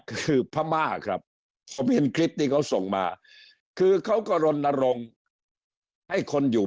คือพม่าครับคลิปที่เขาส่งมาคือเขาก็ลนนโรงให้คนอยู่